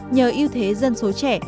nhờ ưu thế dân số trẻ